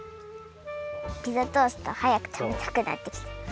ピザトーストはやく食べたくなってきた！